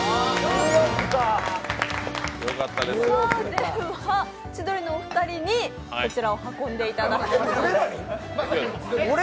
では、千鳥のお二人にこちらを運んでいただきます。